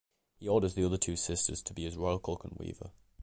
He orders the other two sisters to be his royal cook and weaver.